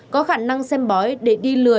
có khả năng xem bói để đi lừa